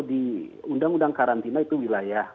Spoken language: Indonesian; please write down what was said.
jadi kalau di undang undang karantina itu wilayah